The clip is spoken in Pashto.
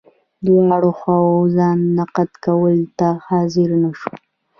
دواړو خواوو ځان نقد کولو ته حاضره نه شوه.